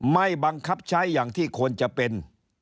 ไม่บังคับใช้อย่างที่ควรจะเป็น